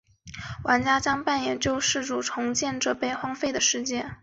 玩家将扮演救世主重建这被荒废的世界。